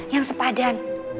yang se padan